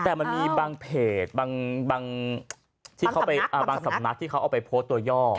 แต่มันมีบางเพจบางสำนักที่เขาเอาไปโพสตัวย่อ